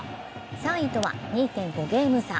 ３位とは２．５ゲーム差。